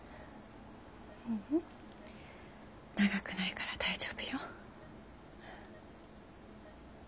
ううん長くないから大丈夫よ。